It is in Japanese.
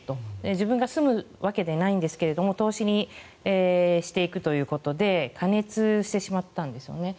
自分が住むわけではないんですが投資にしていくということで過熱してしまったんですよね。